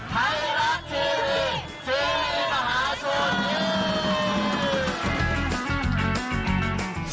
ไทรัฐทีวีชีวิตมหาสุดยืน